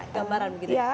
gambaran begitu ya